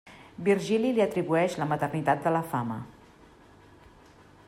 Virgili li atribueix la maternitat de la Fama.